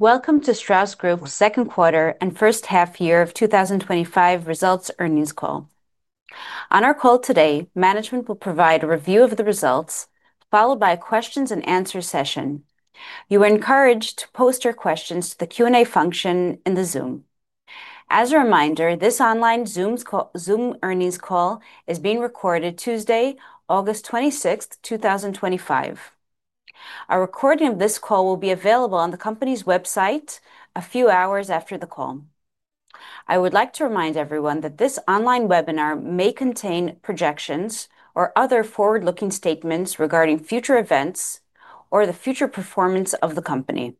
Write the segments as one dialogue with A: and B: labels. A: Welcome to Strauss Group Second Quarter and First Half Year of 2025 Results Earnings Call. On our call today, management will provide a review of the results followed by a questions and answers session. You are encouraged to post your questions to the Q&A function in the Zoom. As a reminder, this online Zoom earnings call is being recorded Tuesday, August 26th, 2025. A recording of this call will be available on the company's website a few hours after the call. I would like to remind everyone that this online webinar may contain projections or other forward-looking statements regarding future events or the future performance of the company.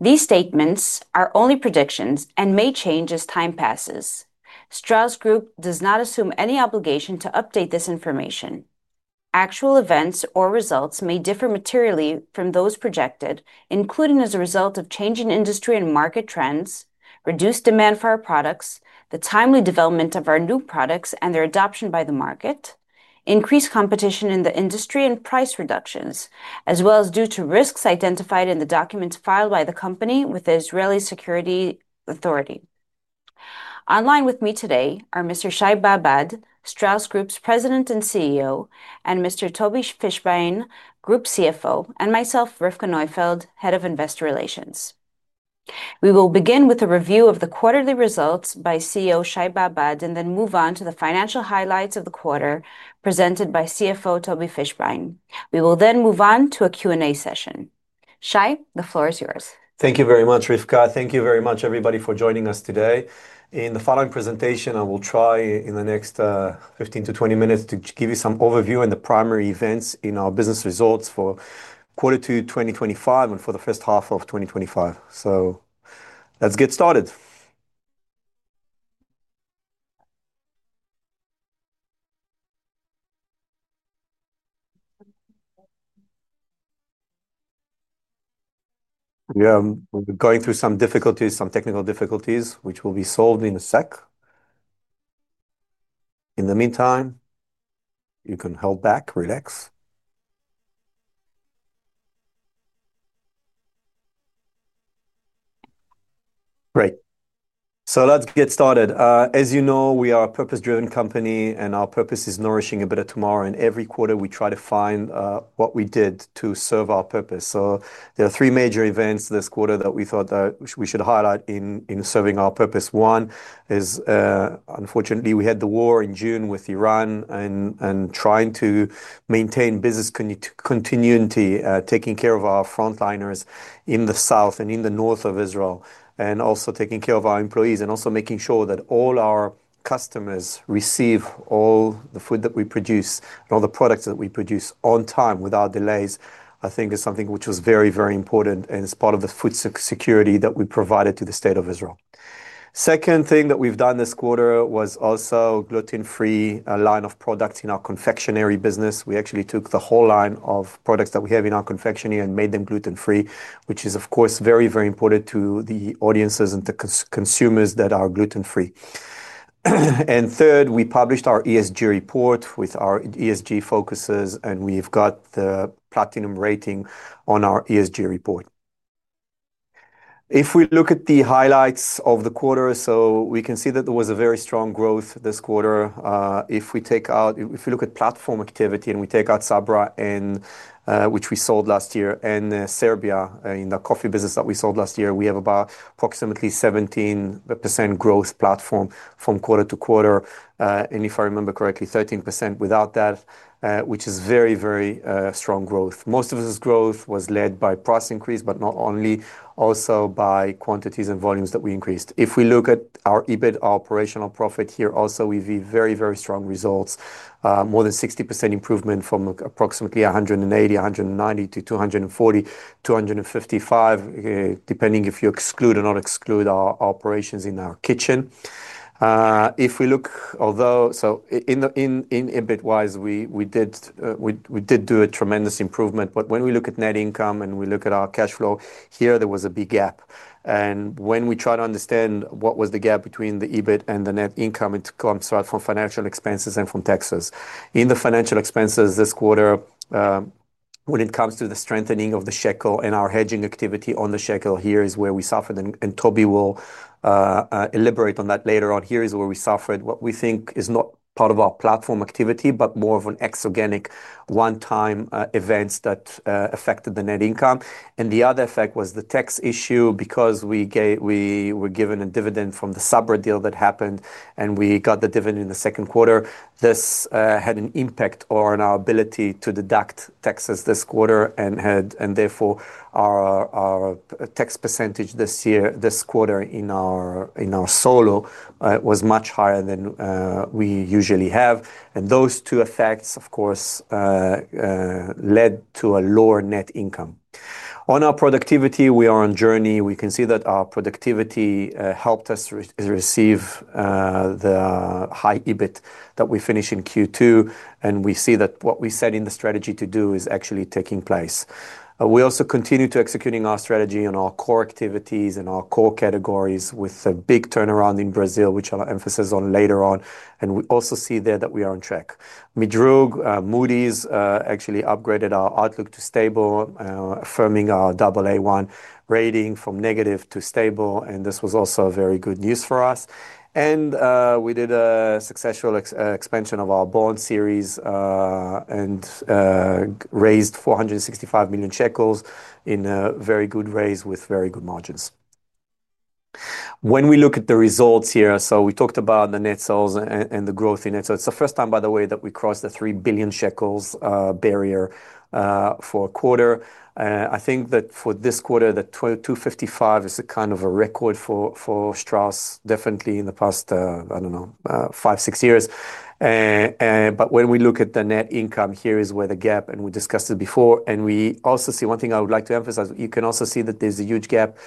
A: These statements are only predictions and may change as time passes. Strauss Group does not assume any obligation to update this information. Actual events or results may differ materially from those projected, including as a result of changing industry and market trends, reduced demand for our products, the timely development of our new products and their adoption by the market, increased competition in the industry and price reductions, as well as due to risks identified in the documents filed by the company with the Israeli Security Authority online. With me today are Mr. Shai Babad, Strauss Group's President and CEO, and Mr. Tobi Fischbein, Group CFO, and myself, Rivka Neufeld, Head of Investor Relations. We will begin with a review of the quarterly results by CEO Shai Babad and then move on to the financial highlights of the quarter presented by CFO Tobi Fischbein. We will then move on to a Q&A session. Shai, the floor is yours.
B: Thank you very much Rivka. Thank you very much everybody for joining us today. In the following presentation I will try in the next 15-20 minutes to give you some overview and the primary events in our business results for quarter two, 2025 and for the first half of 2025. Let's get started. We are going through some difficulties, some technical difficulties which will be solved in a sec. In the meantime you can hold back, relax. Great. Let's get started. As you know we are a purpose-driven company and our purpose is nourishing a bit of tomorrow. Every quarter we try to find what we did to serve our purpose. There are three major events this quarter that we thought that we should highlight in serving our purpose. One is unfortunately we had the war June with Iran and trying to maintain business continuity, taking care of our frontliners in the south and in the north of Israel and also taking care of our employees and also making sure that all our customers receive all the food that we produce, all the products that we produce on time. Without delays, I think is something which was very, very important and it's part of the food security that we provided to the state of Israel. The second thing that we've done this quarter was also gluten-free line of products in our confectionery business. We actually took the whole line of products that we have in our confectionery and made them gluten-free, which is of course very, very important to the audiences and the consumers that are gluten-free. Third, we published our ESG report with our ESG focuses and we've got the platinum rating on our ESG report. If we look at the highlights of the quarter, we can see that there was a very strong growth this quarter. If we take out, if you look at platform activity and we take out Sabra, which we sold last year, and Serbia in the coffee business that we sold last year, we have about approximately 17% growth platform from quarter to quarter and if I remember correctly, 13% without that, which is very, very strong growth. Most of this growth was led by price increase, but not only also quantities and volumes that we increased. If we look at our EBIT operational profit here, also we view very, very strong results. More than 60% improvement from approximately NIS 180 million, NIS 190 million-NIS 240 million, NIS 255 million, depending if you exclude or not exclude our operations in our kitchen. If we look, although in EBIT wise we did do a tremendous improvement. When we look at net income and we look at our cash flow here, there was a big gap. When we try to understand what was the gap between the EBIT and the net income, it comes right from financial expenses and from taxes. In the financial expenses this quarter, when it comes to the strengthening of the shekel and our hedging activity on the shekel, here is where we suffered and Tobi will elaborate on that later on. Here is where we suffered what we think is not part of our platform activity, but more of an exorganic one-time event that affected the net income. The other effect was the tax issue because we were given a dividend from the Sabra deal that happened and we got the dividend in the second quarter. This had an impact on our ability to deduct taxes this quarter. Therefore, our tax percentage this quarter in our solo was much higher than we usually have. Those two effects of course led to a lower net income. On our productivity, we are on a journey. We can see that our productivity helped us receive the high EBIT that we finished in Q2. We see that what we set in the strategy to do is actually taking place. We also continue to execute our strategy on our core activities and our core categories with a big turnaround in Brazil, which I'll emphasize on later on. We also see there that we are on track. Midroog Moody’s actually upgraded our outlook to stable, affirming our AA1 rating from negative to stable. This was also very good news for us. We did a successful expansion of our bold series and raised NIS 465 million in a very good raise with very good margins. When we look at the results here, we talked about the net sales and the growth in it. It is the first time, by the way, that we crossed theNIS 3 billion barrier for a quarter. I think that for this quarter, that 255 is a kind of a record for Strauss Group definitely in the past, I don't know, five, six years. When we look at the net income, here is where the gap, and we discussed it before, and we also see. One thing I would like to emphasize, you can also see that there's a huge gap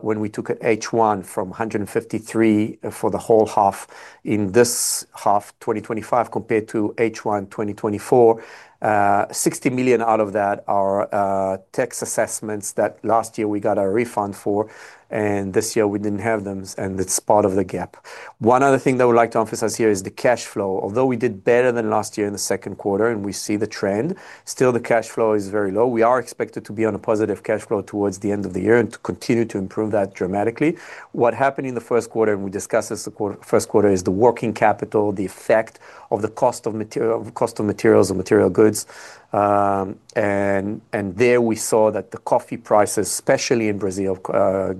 B: when we took H1 from NIS 153 million for the whole half. In this half, 2025, compared to H1 2024, NIS 60 million out of that are tax assessments that last year we got a refund for and this year we didn't have them. It's part of the gap. One other thing that we'd like to emphasize here is the cash flow. Although we did better than last year in the second quarter and we see the trend, still the cash flow is very low. We are expected on a positive cash flow towards the end of the year and to continue to improve that dramatically. What happened in the first quarter, and we discussed this, the first quarter is the working capital, the effect of the cost of material, cost of materials and material goods. There we saw that the coffee prices, especially in Brazil,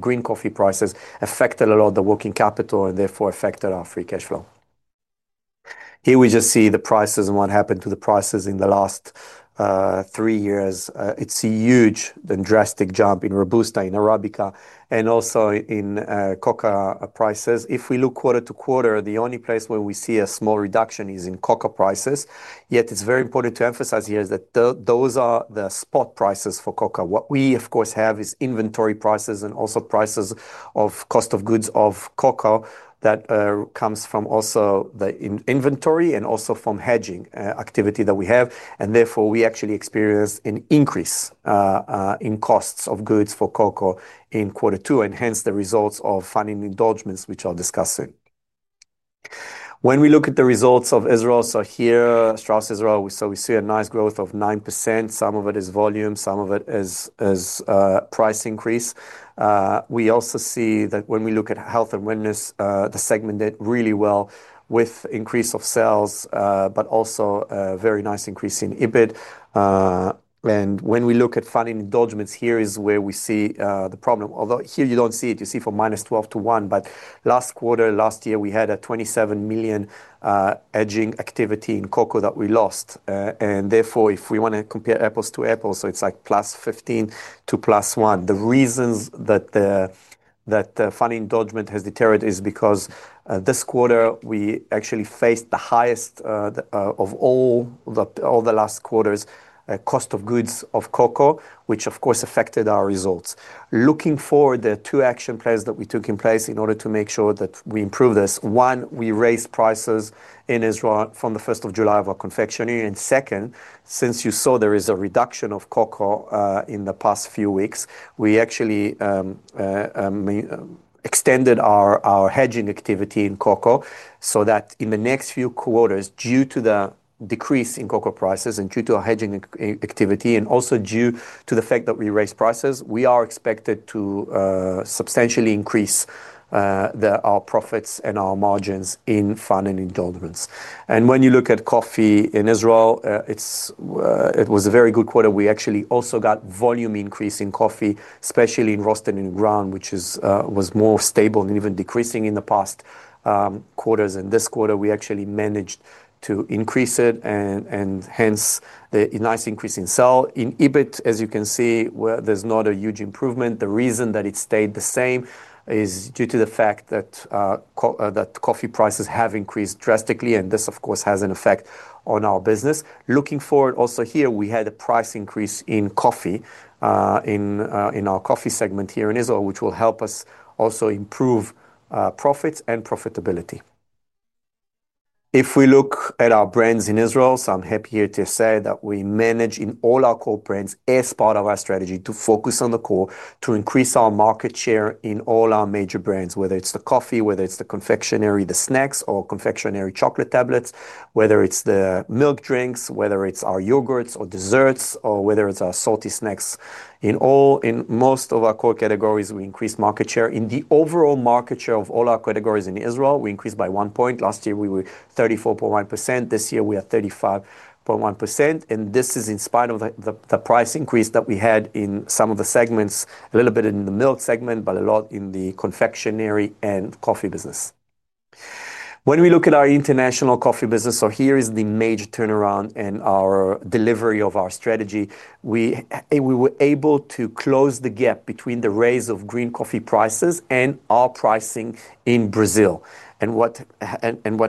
B: green coffee prices, affected a lot of the working capital and therefore affected our free cash flow. Here we just see the prices and what happened to the prices in the last three years. It's a huge and drastic jump in robusta, in Arabica, and also in cocoa prices. If we look quarter to quarter, the only place where we see a small reduction is in cocoa prices. Yet it's very important to emphasize here that those are the spot prices for cocoa. What we of course have is inventory prices and also prices of cost of goods, of cocoa that comes from also the inventory and also from hedging activity that we have. Therefore, we actually experienced an increase in costs of goods for cocoa in quarter two and hence the results of funding indulgements, which I'll discuss soon when we look at the results of Israel. Here, Strauss Israel, we see a nice growth of 9%. Some of it is volume, some of it is price increase. We also see that when we look at health and wellness, the segment did really well with increase of sales, but also a very nice increase in EBIT. When we look at funding indulgements, here is where we see the problem. Although here you don't see it, you see for -12 to 1. Last quarter, last year we had a NIS 27 million hedging activity in cocoa that we lost. Therefore, if we want to compare apples to apples, it's like +15 to +1. The reasons that funding indulgement has deteriorated is because this quarter we actually faced the highest of all the last quarter's cost of goods of cocoa, which of course affected our results. Looking forward, there are two action plans that we took in place in order to make sure that we improve this. One, we raised prices in Israel from the first of July of our confectionery. Second, since you saw there is a reduction of cocoa in the past few weeks, we actually extended our hedging activity in cocoa. In the next few quarters, due to the decrease in cocoa prices and due to our hedging activity and also due to the fact that we raised prices, we are expected to substantially increase our profits and our margins in final indulgence. When you look at coffee in Israel, it was a very good quarter. We actually also got volume increase in coffee, especially in roasted and ground, which was more stable and even decreasing in the past quarters. This quarter we actually managed to increase it and hence the nice increase in sell-in. EBIT, as you can see, there's not a huge improvement. The reason that it stayed the same is due to the fact that coffee prices have increased drastically. This of course has an effect on our business looking forward. Also here we had a price increase in coffee in our coffee segment here in Israel, which will help us also improve profits and profitability. If we look at our brands in Israel, I'm happy here to say that we manage in all our core brands as part of our strategy to focus on the core to increase our market share in all our major brands. Whether it's the coffee, whether it's the confectionery, the snacks or confectionery chocolate tablets, whether it's the milk drinks, whether it's our yogurts or desserts or whether it's salty snacks. In most of our core categories, we increased market share. In the overall market share of all our categories in Israel, we increased by 1 point. Last year we were 34.1%. This year we are 35.1%. This is in spite of the price increase that we had in some of the segments. A little bit in the milk segment, but a lot in the confectionery and coffee business. When we look at our international coffee business, here is the major turnaround in our delivery of our strategy. We were able to close the gap between the raise of green coffee prices and our pricing in Brazil. What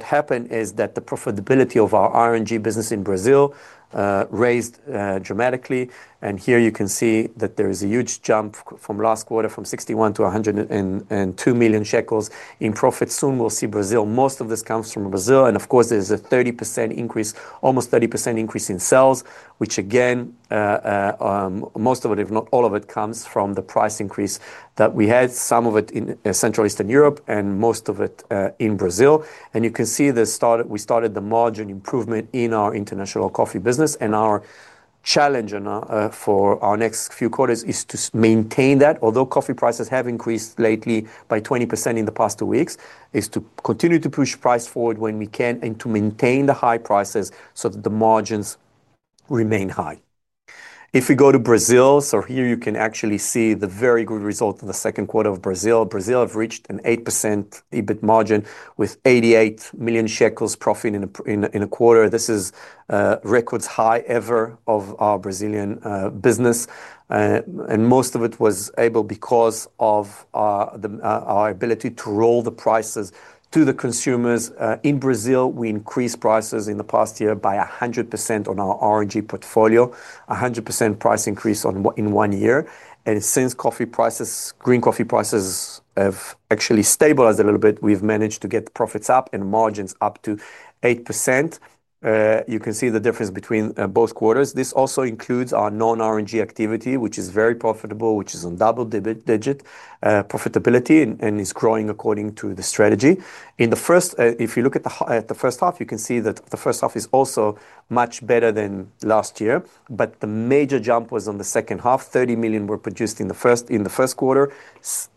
B: happened is that the profitability of our RNG business in Brazil raised dramatically. Here you can see that there is a huge jump from last quarter from NIS 61 million-NIS 102 million shekels in profit. Soon we'll see Brazil. Most of this comes from Brazil. Of course there's a 30% increase, almost 30% increase in sales, which again most of it, if not all of it, comes from the price increase that we had. Some of it in Central Eastern Europe and most of it in Brazil. You can see we started the margin improvement in our international coffee business. Our challenge for our next few quarters is to maintain that although coffee prices have increased lately by 20% in the past two weeks, is to continue to push price forward when we can and to maintain the high prices so that the margins remain high if we go to Brazil. Here you can actually see the very good result in the second quarter of Brazil. Brazil has reached an 8% EBIT margin with NIS 88 million profit in a quarter. This is record high ever of our Brazilian business. Most of it was able because of our ability to roll the prices to the consumers in Brazil. We increased prices in the past year by 100% on our RNG portfolio. 100% price increase in one year. Since coffee prices, green coffee prices have actually stabilized a little bit, we've managed to get profits up and margins up to 8%. You can see the difference between both quarters. This also includes our non-RNG activity which is very profitable, which is on double-digit profitability and is growing according to the strategy. If you look at the first half, you can see that the first half is also much better than last year. The major jump was on the second half. 30 millions were produced in the first quarter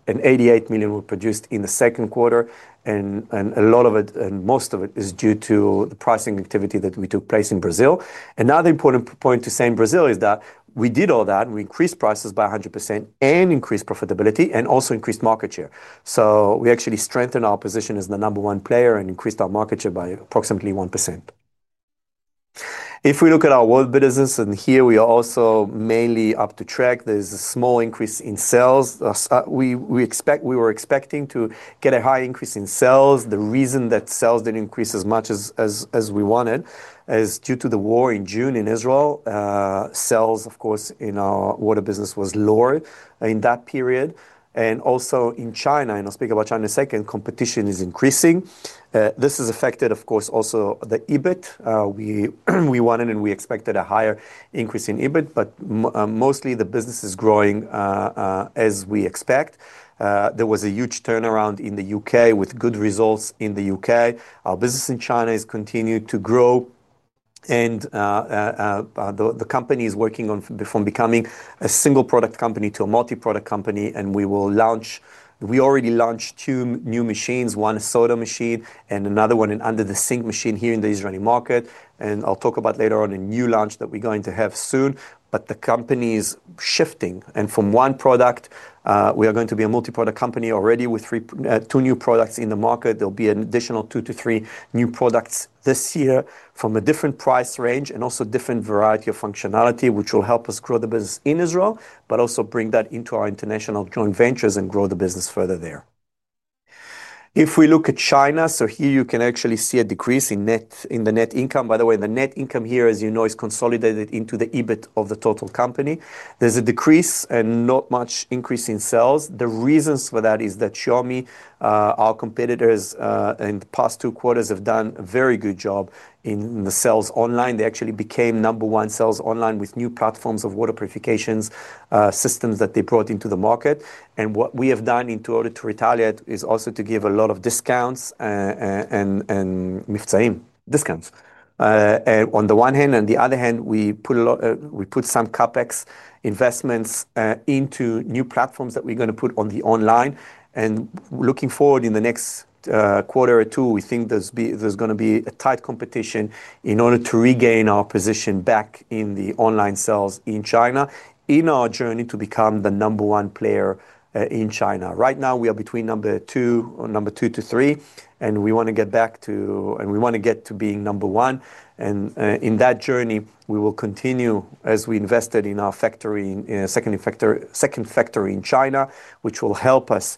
B: and 88 million were produced in the second quarter and a lot of it and most of it is due to the pricing activity that we took place in Brazil. Another important point to say in Brazil is that we did all that. We increased prices by 100% and increased profitability and also increased market share. We actually strengthened our position as the number one player and increased our market share by approximately 1%. If we look at our water business and here we are also mainly up to track, there's a small increase in sales. We were expecting to get a high increase in sales. The reason that sales didn't increase as much as we wanted is due to the war in June in Israel. Sales of course in our water business was lower in that period and also in China and I'll speak about China in a second. Competition is increasing. This has affected of course also the EBIT. We won in and we expected a higher increase in EBIT. Mostly the business is growing as we expect. There was a huge turnaround in the U.K. with good results in the U.K. Our business in China is continued to grow and the company is working on from becoming a single product company to a multi product company and we will launch, we already launched two new machines, one a soda machine and another one under the sink machine here in the Israeli market. I'll talk about later on a new launch that we're going to have soon but the company is shifting and from one product we are going to be a multi product company already with two new products in the market. There will be an additional two to three new products this year from a different price range and also different variety of functionality which will help us grow the business in Israel but also bring that into our international joint ventures and grow the business further there. If we look at China, you can actually see a decrease in the net income. By the way, the net income here as you know, is consolidated into the EBIT of the total company. There's a decrease and not much increase in sales. The reasons for that is that Xiaomi, our competitors in the past two quarters have done a very good job in the sales online. They actually became number one sales online with new platforms of water purification systems that they brought into the market. What we have done in order to retaliate is also to give a lot of discounts and discounts on the one hand and on the other hand we put some CapEx investments into new platforms that we're going to put on the online. Looking forward in the next quarter or two we think there's going to be a tight competition in order to regain our position back in the online sales in China. In our journey to become the number one player in China right now we are between number two, number two to three. We want to get to being number one. In that journey we will continue as we invested in our second factory in China, which will help us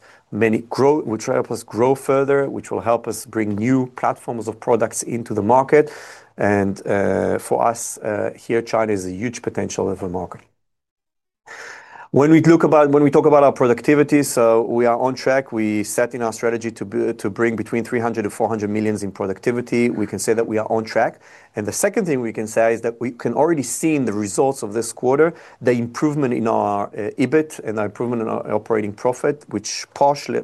B: grow further, which will help us bring new platforms of products into the market. For us here, China is a huge potential of a market. When we talk about our productivity, we are on track. We set in our strategy to bring between NIS 300 million and NIS 400 million in productivity. We can say that we are on track. The second thing we can say is that we can already see in the results of this quarter the improvement in our EBIT and improvement in our operating profit, which partially,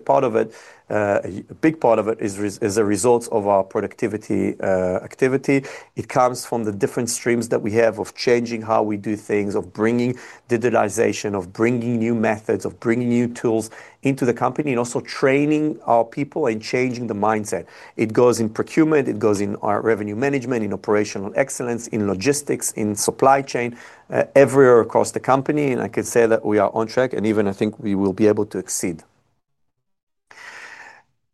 B: a big part of it, is the result of our productivity activity. It comes from the different streams that we have of changing how we do things, of bringing digitization, of bringing new methods, of bringing new tools into the company, and also training our people and changing the mindset. It goes in procurement, it goes in our revenue management, in operational excellence, in logistics, in supply chain, everywhere across the company. I could say that we are on track and even I think we will be able to exceed.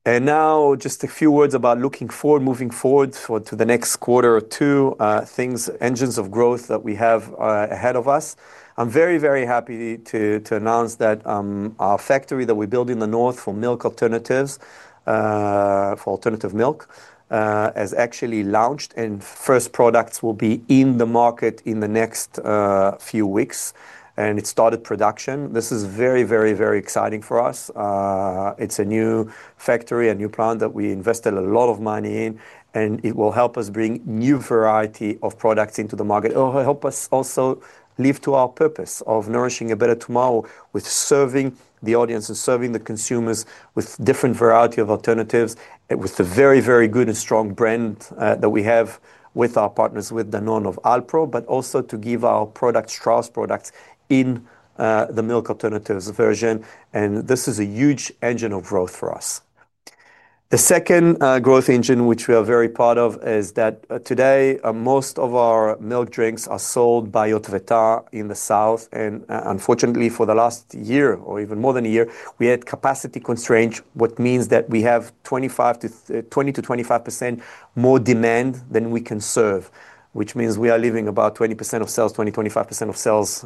B: Now just a few words about looking forward, moving forward to the next quarter or two things, engines of growth that we have ahead of us. I'm very, very happy to announce that our factory that we built in the north for milk alternatives, for alternative milk, has actually launched and first products will be in the market in the next few weeks and it started production. This is very, very, very exciting for us. It's a new plant that we invested a lot of money in and it will help us bring new variety of products into the market. It will help us also live to our purpose of nourishing a better tomorrow with serving the audience and serving the consumers with different variety of alternatives. It was the very, very good and strong brand that we have with our partners with Danone of Alpro, but also to give our products, Strauss products, in the milk alternatives version. This is a huge engine of growth for us. The second growth engine which we are very proud of is that today most of our milk drinks are sold by out in the south. Unfortunately, for the last year or even more than a year, we had capacity constraint, which means that we have 20%-25% more demand than we can serve, which means we are leaving about 20% of sales, 20%-25% of sales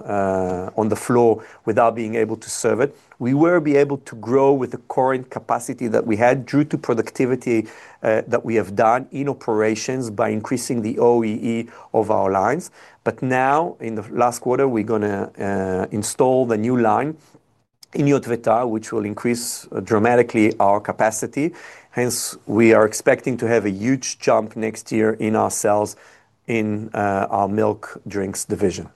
B: on the floor without being able to serve it. We will be able to grow with the current capacity that we had due to productivity that we have done in operations by increasing the OEE of our lines. Now in the last quarter, we're going to install the new line in Yotvata, which will increase dramatically our capacity. Hence, we are expecting to have a huge jump next year in our sales, in our milk drinks development vision,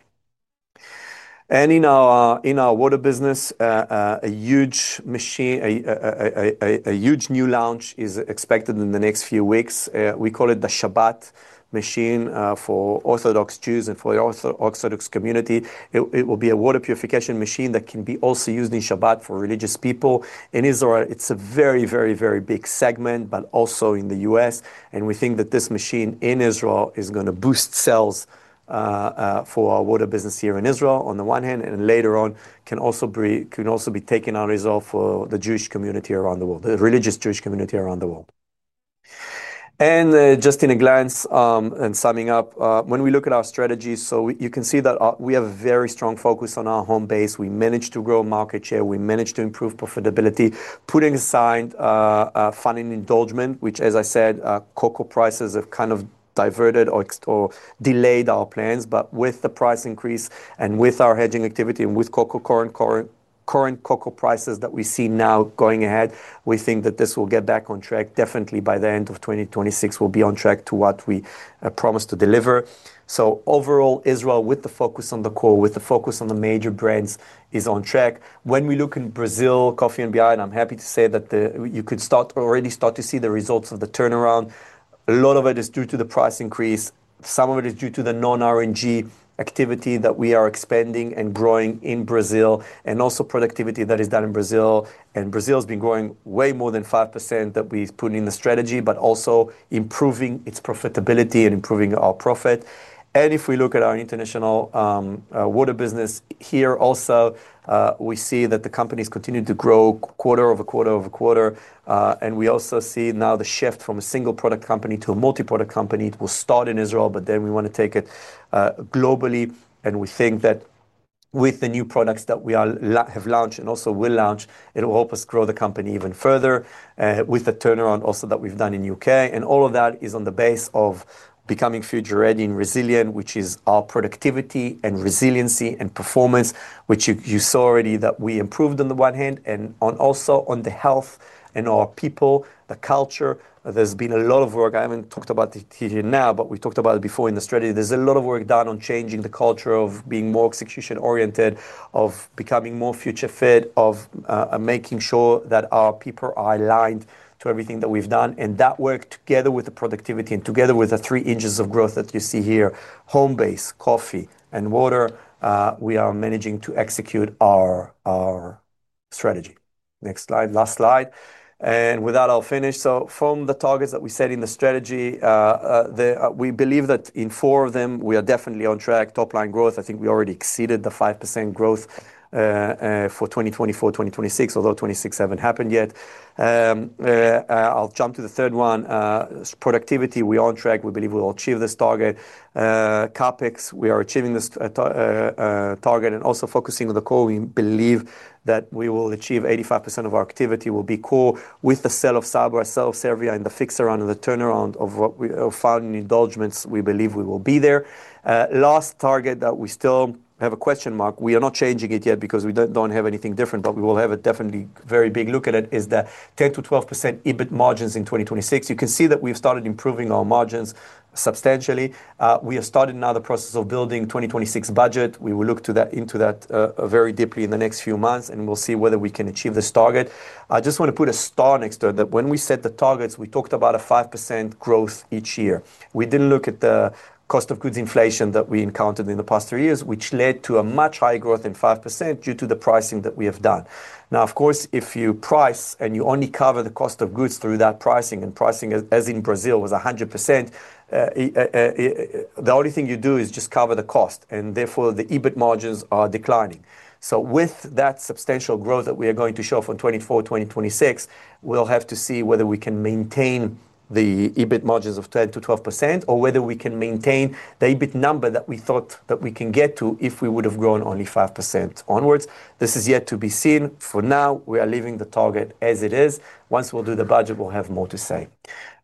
B: and in our water business. A huge machine, a huge new launch is expected in the next few weeks. We call it the Shabbat machine for Orthodox Jews, and for the Orthodox community it will be a water purification machine that can also be used on Shabbat for religious people in Israel. It's a very, very, very big segment, but also in the U.S., and we think that this machine in Israel is going to boost sales for our water business here in Israel on the one hand, and later on can also be taken out of its zone for the Jewish community around the world, the religious Jewish community around the world. Just in a glance and summing up, when we look at our strategy, you can see that we have a very strong focus on our home base. We managed to grow market share, we managed to improve profitability. Putting aside funding indulgent, which as I said, cocoa prices have kind of diverted or delayed our plans. With the price increase and with our hedging activity and with current cocoa prices that we see now going ahead, we think that this will get back on track. Definitely by the end of 2026, we'll be on track to what we promised to deliver. Overall, Israel with the focus on the core, with the focus on the major brands, is on track. When we look in Brazil, coffee and beyond, I'm happy to say that you could already start to see the results of the turnaround. A lot of it is due to the price increase. Some of it is due to the non-RNG activity that we are expanding and growing in Brazil, and also productivity that is done in Brazil. Brazil's been growing way more than 5% that we put in the strategy, but also improving its profitability and improving our profit. If we look at our international water business, here also we see that the companies continue to grow quarter over quarter over quarter. We also see now the shift from a single product company to a multi-product company. It will start in Israel, but then we want to take it globally. We think that with the new products that we have launched and also will launch, it'll help us grow the company even further. With the turnaround also that we've done in the U.K., all of that is on the base of becoming future ready and resilient, which is our productivity and resiliency and performance, which you saw already that we improved on the one hand and also on the health and our people, the culture. There's been a lot of work. I haven't talked about it here now, but we talked about it before in the strategy. There's a lot of work done on changing the culture of being more execution oriented, of becoming more future fit, of making sure that our people are aligned to everything that we've done and that work together with the productivity and together with the three engines of growth that you see here, home base, coffee, and water, we are managing to execute our strategy. Next slide, last slide. With that, I'll finish. From the targets that we set in the strategy, we believe that in four of them we are definitely on track. Top-line growth, I think we already exceeded the 5% growth for 2024-2026, although 2026 hasn't happened yet. I'll jump to the third one, productivity. We are on track. We believe we'll achieve this target. CapEx, we are achieving this target and also focusing on the core, we believe that we will achieve 85% of our activity with the sale of Sabra, sale of Serbia, and the turnaround of what we found in indulgence. We believe we will be there. Last target that we still have a question mark, we are not changing it yet because we don't have anything different, but we will have a definitely very big look at it, is that 10%-12% EBIT margins in 2026. You can see that we've started improving our margins substantially. We have started now the process of building the 2026 budget. We will look into that very deeply in the next few months and we'll see whether we can achieve this target. I just want to put a star next to it that when we set, we talked about a 5% growth each year. We didn't look at the cost of goods inflation that we encountered in the past three years, which led to a much higher growth than 5% due to the pricing that we have done now. Of course, if you price and you only cover the cost of goods through that pricing, and pricing as in Brazil was 100%, the only thing you do is just cover the cost and therefore the EBIT margins are declining. With that substantial growth that we are going to show from 2024-2026, we'll have to see whether we can maintain the EBIT margins of 10%-12% or whether we can maintain the EBIT number that we thought that we can get to if we would have grown only 5% onwards. This is yet to be seen. For now, we are leaving the target as it is. Once we do the budget, we'll have more to say.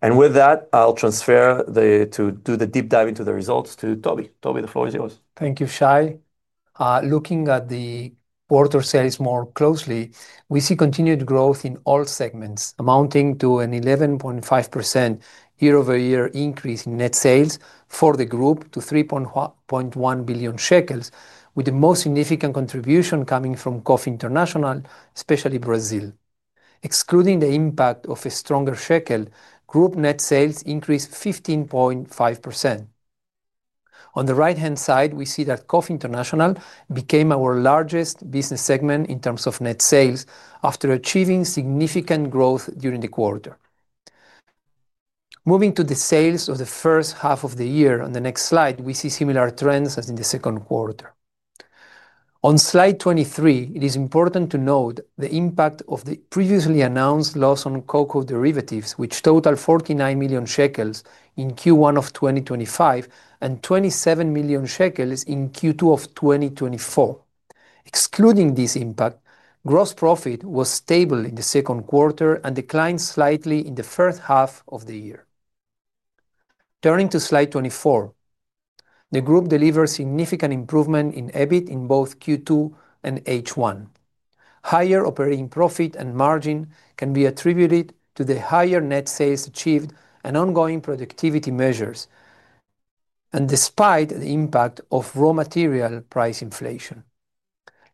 B: With that, I'll transfer to do the deep dive into the results to Tobi. Tobi, the floor is yours.
C: Thank you Shai. Looking at the quarter sales more closely, we see continued growth in all segments, amounting to an 11.5% year-over-year increase in net sales for the group to NIS 3.1 billion, with the most significant contribution coming from Coffee International, especially Brazil. Excluding the impact of a stronger shekel, group net sales increased 15.5%. On the right-hand side, we see that Coffee International became our largest business segment in terms of net sales after achieving significant growth during the quarter. Moving to the sales of the first half of the year, on the next slide, we see similar trends as in the second quarter. On slide 23, it is important to note the impact of the previously announced loss on cocoa derivatives, which totaled NIS 49 million in Q1 2025 and NIS 27 million in Q2 2024. Excluding this impact, gross profit was stable in the second quarter and declined slightly in the first half of the year. Turning to slide 24, the group delivered significant improvement in EBIT in both Q2 and H1. Higher operating profit and margin can be attributed to the higher net sales achieved and ongoing productivity measures, and despite the impact of raw material price inflation.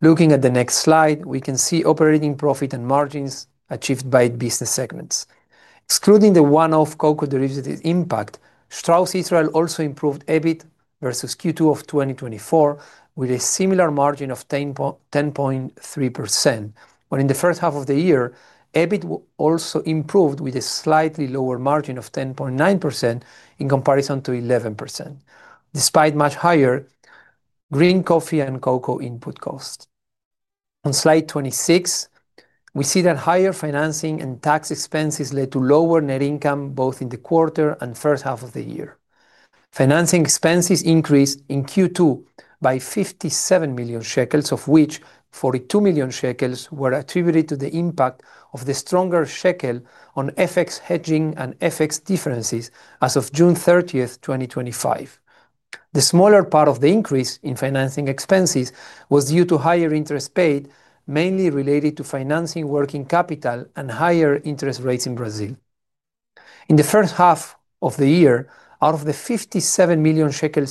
C: Looking at the next slide, we can see operating profit and margins achieved by business segments excluding the one-off cocoa derivative impact. Strauss Israel also improved EBIT versus Q2 2024 with a similar margin of 10.3%, while in the first half of the year EBIT also improved with a slightly lower margin of 10.9% in comparison to 11%, despite much higher green coffee and cocoa input costs. On slide 26, we see that higher financing and tax expenses led to lower net income both in the quarter and first half of the year. Financing expenses increased in Q2 by NIS 57 million, of which NIS 42 million were attributed to the impact of the stronger shekel on FX hedging and FX differences as of June 30th, 2025. The smaller part of the increase in financing expenses was due to higher interest paid, mainly related to financing working capital and higher interest rates in Brazil in the first half of the year. Out of the NIS 57 million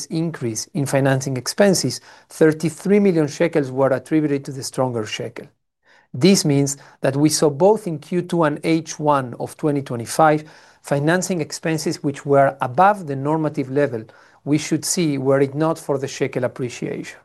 C: increase in financing expenses, NIS 33 million were attributed to the stronger shekel. This means that we saw both in Q2 and H1 2025 financing expenses which were above the normative level we should see were it not for the shekel appreciation.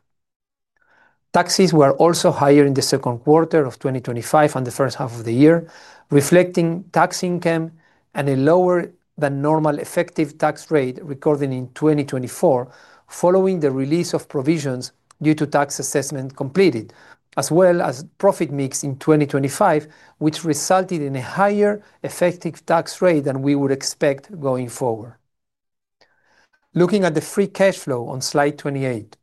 C: Taxes were also higher in the second quarter of 2025 and the first half of the year, reflecting tax income and a lower than normal effective tax rate recorded in 2024 following the release of provisions due to tax assessment completed, as well as profit mix in 2025, which resulted in a higher effective tax rate than we would expect going forward. Looking at the free cash flow on slide 28,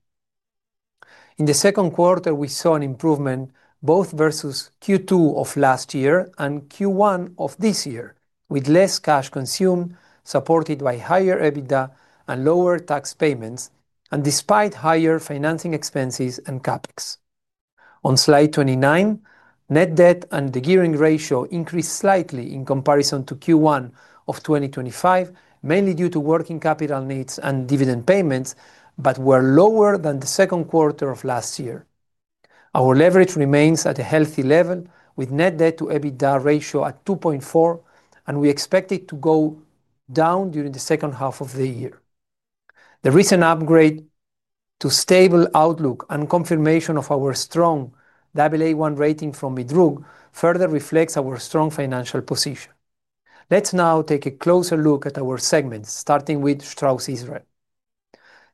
C: in the second quarter we saw an improvement both versus Q2 of last year and Q1 of this year, with less cash consumed supported by higher EBITDA and lower tax payments, and despite higher financing expenses and CapEx. On slide 29, net debt and the gearing ratio increased slightly in comparison to Q1 of 2025 mainly due to working capital needs and dividend payments, but were lower than the second quarter of last year. Our leverage remains at a healthy level with net debt to EBITDA ratio at 2.5, and we expect it to go down during the second half of the year. The recent upgrade to stable outlook and confirmation of our strong AA1 rating from Midroog further reflects our strong financial position. Let's now take a closer look at our segments, starting with Strauss Israel.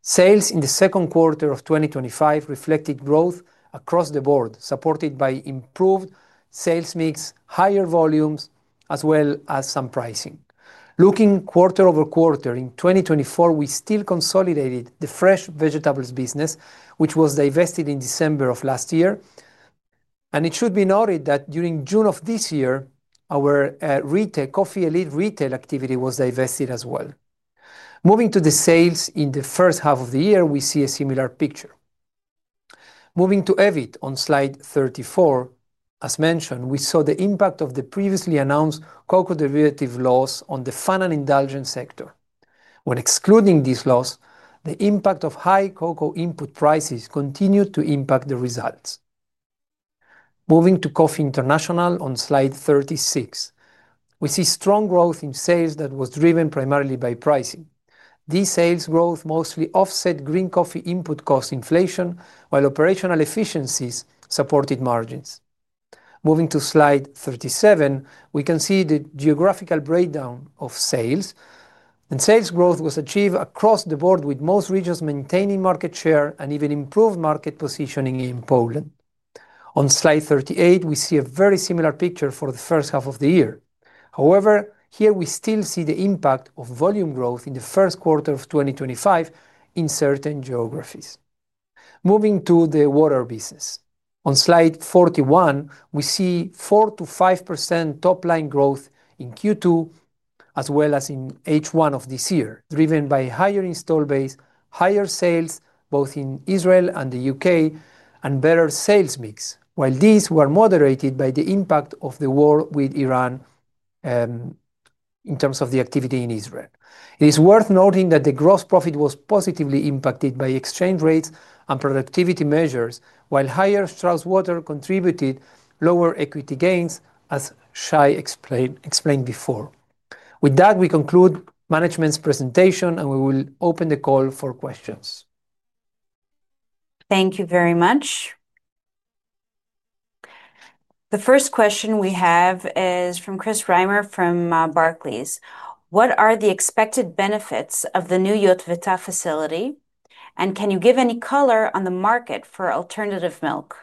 C: Sales in the second quarter of 2025 reflected growth across the board, supported by improvements, improved sales mix, higher volumes, as well as some pricing. Looking quarter over quarter in 2024, we still consolidated the fresh vegetables business, which was divested in December of last year, and it should be noted that during June of this year our Elite retail coffee activity was divested as well. Moving to the sales in the first half of the year, we see a similar picture. Moving to EBIT on slide 34, as mentioned, we saw the impact of the previously announced cocoa derivative loss on the fun and indulgence sector. When excluding this loss, the impact of high cocoa input prices continued to impact the results. Moving to Coffee International on slide 36, we see strong growth in sales that was driven primarily by pricing. These sales growth mostly offset green coffee input cost inflation, while operational efficiencies supported margins. Moving to slide 37, we can see the geographical breakdown of sales, and sales growth was achieved across the board with most regions maintaining market share and even improved market positioning. In Poland on slide 38, we see a very similar picture for the first half of the year. However, here we still see the impact of volume growth in the first quarter of 2025 in certain geographies. Moving to the water business on slide 41, we see 4%-5% top-line growth in Q2 as well as in H1 of this year, driven by higher install base, higher sales both in Israel and the U.K., and better sales mix, while these were moderated by the impact of the war with Iran. In terms of the activity in Israel, it is worth noting that the gross profit was positively impacted by exchange rates and productivity measures, while higher Strauss Water contributed lower equity gains as Shai explained before. With that, we conclude management's presentation and we will open the call for questions.
A: Thank you very much. The first question we have is from Chris Reimer from Barclays. What are the expected benefits of the new Yotvata facility and can you give any color on the market for alternative milk?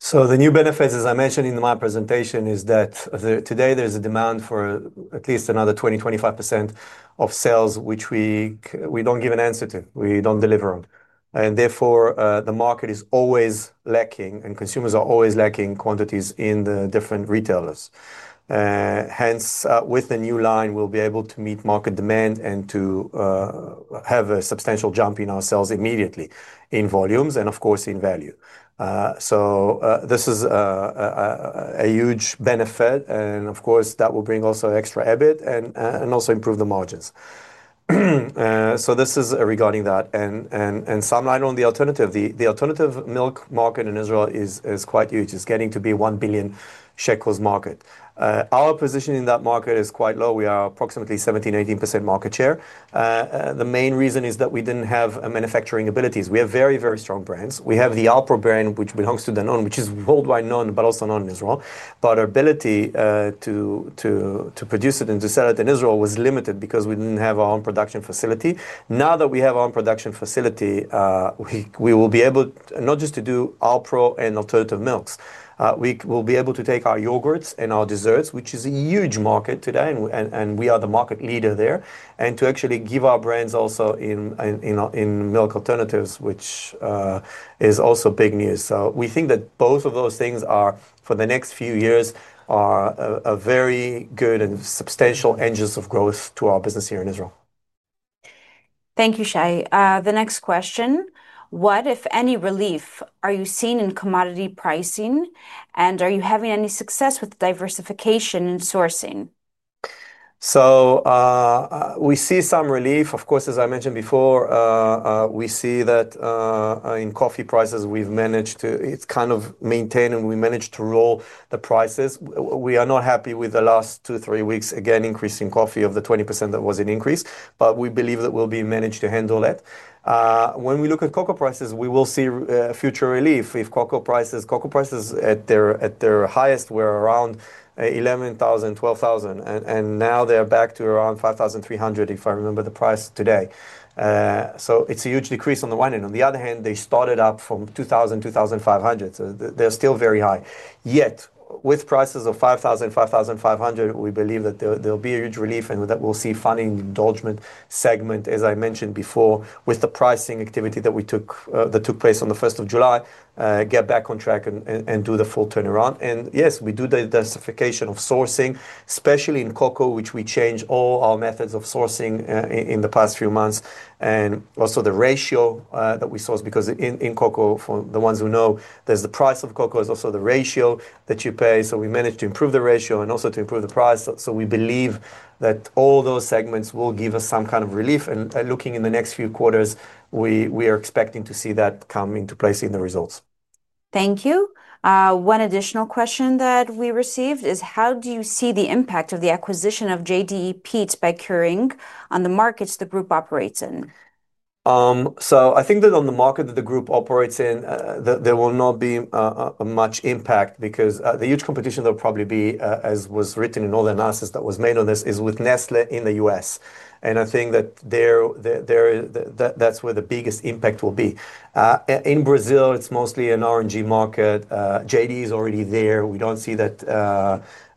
B: The new benefits, as I mentioned in my presentation, are that today there's a demand for at least another 20-25% of sales which we don't give an answer to, we don't deliver on, and therefore the market is always lacking and consumers are always lacking quantities in the different retailers. With the new line, we'll be able to meet market demand and to have a substantial jump in our sales immediately in volumes and of course in value. This is a huge benefit and that will bring also extra EBIT and also improve the market margins. This is regarding that and some line on the alternative. The alternative milk market in Israel is quite huge. It's getting to be a NIS 1 billion market. Our position in that market is quite low. We are approximately 17-18% market share. The main reason is that we didn't have manufacturing abilities. We have very, very strong brands. We have the Alpro brand, which belongs to Danone, which is worldwide known but also known in Israel. Our ability to produce it and to sell it in Israel was limited because we didn't have our own production facility. Now that we have our own production facility, we will be able not just to do Alpro and alternative milks, we will be able to take our yogurts and our desserts, which is a huge market today and we are the market leader there, and to actually give our brands also in milk alternatives, which is also big news. We think that both of those things for the next few years are very good and substantial engines of growth to our business in Israel.
A: Thank you. Shai. The next question, what if any relief are you seeing in commodity pricing, and are you having any success with diversification sourcing?
B: We see some relief. Of course, as I mentioned before, we see that in coffee prices we've managed to. It's kind of maintained and we managed to roll the prices. We are not happy with the last two, three weeks again increasing coffee of the 20% that was an increase, but we believe that will be managed to handle that. When we look at cocoa prices, we will see future relief if cocoa prices. Cocoa prices at their highest were around NIS 11,000, NIS 12,000 and now they're back to around NIS 5,300 if I remember the price today. It's a huge decrease on the one hand. On the other hand, they started up from NIS 2,000-NIS 2,500 so they're still very high. Yet with prices of NIS 5,000-NIS 5,500, we believe that there'll be a huge relief and that we'll see funding indulgement segment, as I mentioned before, with the pricing activity that we took that took place on the 1st of July, get back on track and do the full turnaround. Yes, we do the diversification of sourcing, especially in cocoa, which we changed all our methods of sourcing in the past few months and also the ratio that we source because in cocoa, for the ones who know there's the price of cocoa is also the ratio that you pay. We managed to improve the ratio and also to improve the price. We believe that all those segments will give us some kind of relief. Looking in the next few quarters, we are expecting to see that come into place in the results.
A: Thank you. One additional question that we received is how do you see the impact of the acquisition of JDE Peet's by Keurig on the markets the group operates in?
B: I think that on the market that the group operates in, there will not be much impact because the huge competition will probably be, as was written in all the analysis that was made on this, with Nestle in the U.S., and I think that's where the biggest impact will be. In Brazil, it's mostly an RNG market. JD is already there. We don't see that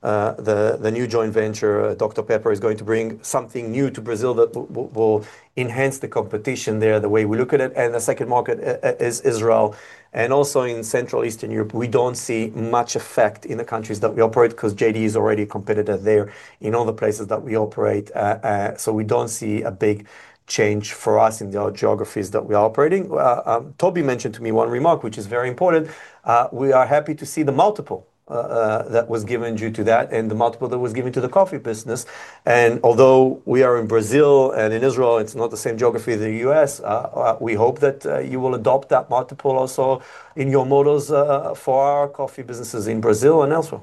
B: the new joint venture, Dr. Pepper, is going to bring something new to Brazil that will enhance the competition there, the way we look at it. The second market is Israel and also in Central Eastern Europe. We don't see much effect in the countries that we operate because JD is already a competitor there in all the places that we operate. We don't see a big, big change for us in the geographies that we are operating. Tobi mentioned to me one remark which is very important. We are happy to see the multiple that was given due to that and the multiple that was given to the coffee business. Although we are in Brazil and in Israel, it's not the same geography as in the U.S., we hope that you will adopt that multiple also in your models for our coffee businesses in Brazil and elsewhere.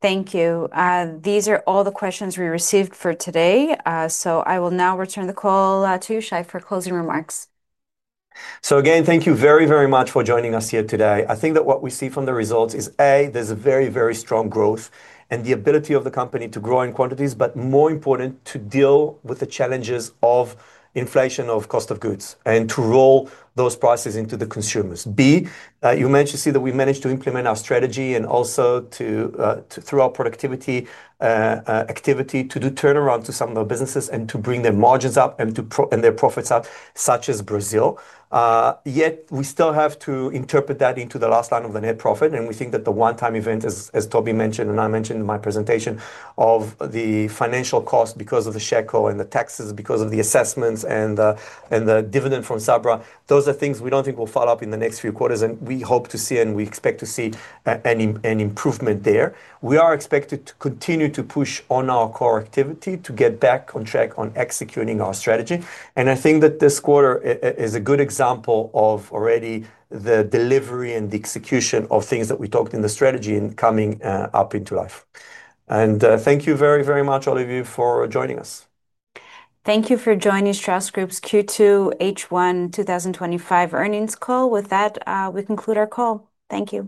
A: Thank you. These are all the questions we received for today. I will now return the call to Shai for closing remarks.
B: Thank you very, very much for joining us here today. I think that what we see from the results is, A, there's a very, very strong growth and the ability of the company to grow in quantities, but more important, to deal with the challenges of inflation of cost of goods and to roll those prices into the consumers. B, you mentioned, see that we managed to implement our strategy and also, through our productivity activity, to do turnaround to some of our businesses and to bring their margins up and their profits up, such as. Yet we still have to interpret that into the last line of the net profit. We think that the one-time event, as Tobi mentioned and I mentioned in my presentation, of the financial cost because of the shekel and the taxes because of the assessments and the dividend from Sabra, those are things we don't think will follow up in the next few quarters, and we hope to see and we expect to see an improvement there. We are expected to continue to push on our core activity to get back on track on executing our strategy. I think that this quarter is a good example of already the delivery and the execution of things that we talked in the strategy and coming up into life. Thank you very much, all of you, for joining us.
A: Thank you for joining Strauss Group's Q2 H1 2025 earnings call. With that, we conclude our call. Thank you.